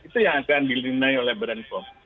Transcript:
itu yang akan dilinai oleh beranipo